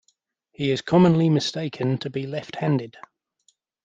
He is commonly mistaken to be left-handed.